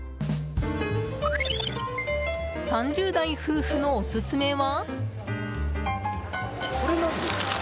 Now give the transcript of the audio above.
３０代夫婦のオススメは？